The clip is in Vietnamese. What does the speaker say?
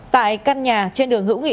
tại căn nhà trên đường hữu nghị